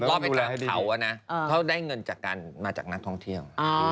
ก็ไปตามเขานะเขาได้เงินจากการมาจากนักท่องเที่ยว